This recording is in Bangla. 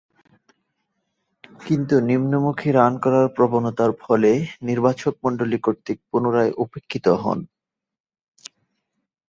কিন্তু, নিম্নমুখী রান করার প্রবণতার ফলে নির্বাচকমণ্ডলী কর্তৃক পুনরায় উপেক্ষিত হন।